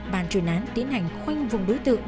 bàn truyền án tiến hành khoanh vùng đối tượng